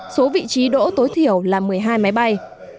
số vị trí đỗ tối thiểu là một mươi hai máy bay